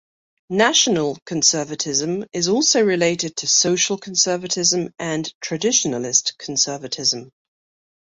National conservatism is also related to social conservatism and traditionalist conservatism.